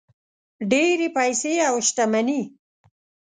ډېرې پیسې او شتمني.